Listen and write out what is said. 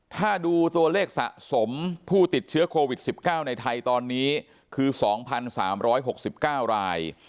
ถ้าดูตัวเลขสะสมผู้ติดเชื้อโควิด๑๙ในไทยตอนนี้คือ๒๓๖๙ราย